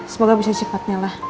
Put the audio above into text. semoga bisa cepatnya lah